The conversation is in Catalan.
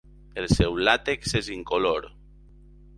El seu làtex és incolor.